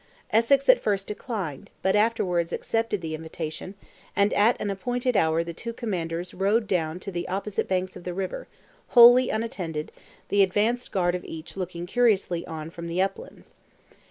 Essex at first declined, but afterwards accepted the invitation, and at an appointed hour the two commanders rode down to the opposite banks of the river, wholly unattended, the advanced guard of each looking curiously on from the uplands.